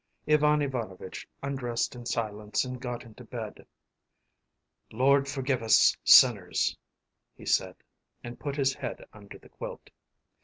Ivan Ivanovitch undressed in silence and got into bed. “Lord forgive us sinners!” he said, and put his head under the quilt.